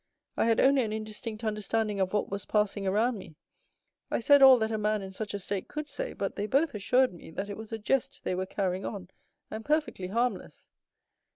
I had only an indistinct understanding of what was passing around me. I said all that a man in such a state could say; but they both assured me that it was a jest they were carrying on, and perfectly harmless."